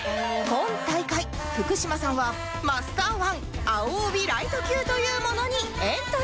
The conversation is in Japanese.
今大会福島さんはマスター１青帯ライト級というものにエントリー